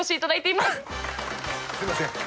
すいません。